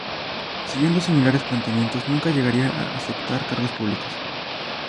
Siguiendo similares planteamientos nunca llegaría a aceptar cargos públicos.